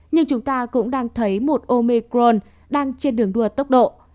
nhưng chúng ta cũng đang thấy một omecron đang trên đường đua tốc độ